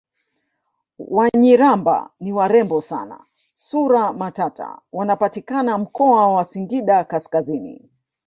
Wanyiramba ni warembo sana sura matata wanapatikana mkoa wa singida kaskazini